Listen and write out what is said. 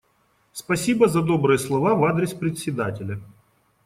Спасибо за добрые слова в адрес Председателя.